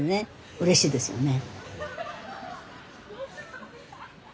うれしいですよね。